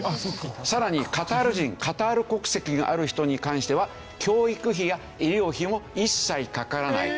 さらにカタール人カタール国籍がある人に関しては教育費や医療費も一切かからない。